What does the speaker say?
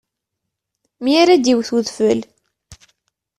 Mi ara d-iwwet udfel.